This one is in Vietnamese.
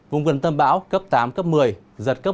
vùng gần tâm bão cấp tám một mươi giật cấp một mươi hai